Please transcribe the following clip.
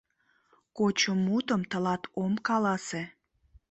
Кочо мутым тылат ом каласе.